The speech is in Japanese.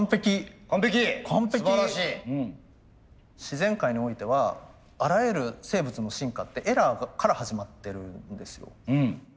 自然界においてはあらゆる生物の進化ってエラーから始まってるんですよ。